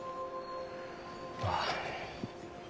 ああ。